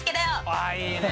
ああいいね。